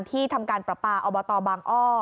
ที่ทำการประปาอบตบางอ้อ